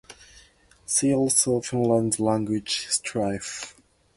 See also Finland's language strife.